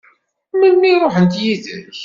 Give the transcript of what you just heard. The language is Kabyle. Melmi i ṛuḥent yid-k?